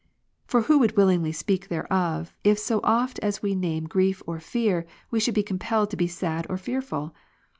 For who would willingly speak thereof, if so oft as we name grief or fear, we should be compelled to be sad or fearful